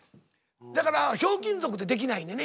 だから「ひょうきん族」ってできないねんね